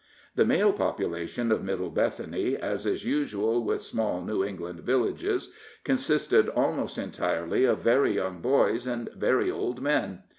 The male population of Middle Bethany, as is usual with small New England villages, consisted almost entirely of very young boys and very old men.